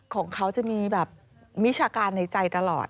ของเขาจะมีแบบวิชาการในใจตลอด